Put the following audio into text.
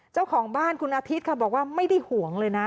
เจ้าของบ้านคุณอาทิตย์ค่ะบอกว่าไม่ได้ห่วงเลยนะ